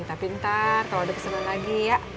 tapi ntar kalo ada kesalahan lagi ya